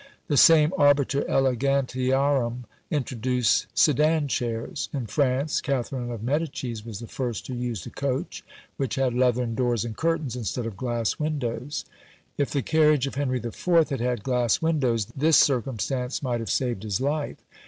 The same arbiter elegantiarum introduced sedan chairs. In France, Catherine of Medicis was the first who used a coach, which had leathern doors and curtains, instead of glass windows. If the carriage of Henry IV. had had glass windows, this circumstance might have saved his life.